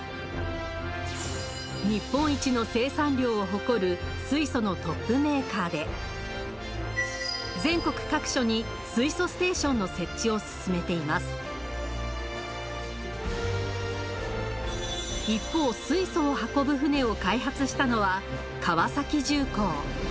日本一の生産量を誇る水素のトップメーカーで全国各所に水素ステーションの設置を進めています一方水素を運ぶ船を開発したのは川崎重工。